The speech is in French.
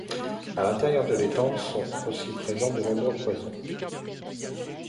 À l'intérieur de l'étang sont aussi présent de nombreux poisons.